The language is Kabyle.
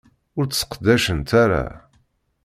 Ur t-sseqdacent ara.